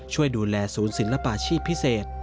ช่วยดูแลศูนย์ศิลปาชีพพิเศษ